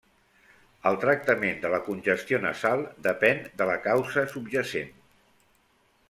El tractament de la congestió nasal depèn de la causa subjacent.